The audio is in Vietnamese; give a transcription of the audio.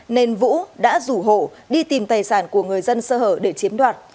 nên vũ đã rủ hộ đi tìm tài sản của người dân sơ hở để chiếm đoạt